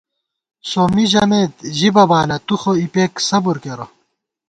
سومّی ژَمېت ژِبہ بالہ تُو خو اِپېک صبر کېرَہ